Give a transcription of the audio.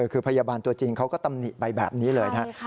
คือพยาบาลตัวจริงเขาก็ตำหนิไปแบบนี้เลยนะครับ